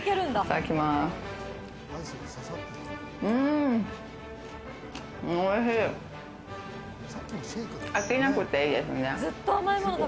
飽きなくていいですね。